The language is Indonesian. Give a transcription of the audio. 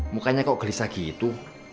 mukanya kok gelisah gitu